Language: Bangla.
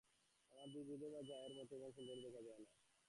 আমার দুই বিধবা জায়ের মতো এমন সুন্দরী দেখা যায় না।